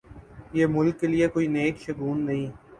یہ ملک کے لئے کوئی نیک شگون نہیں۔